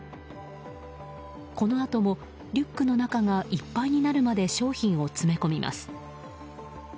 このあとも、リュックの中がいっぱいになるまで商品を詰め込みます。